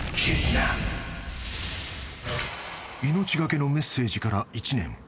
［命懸けのメッセージから１年］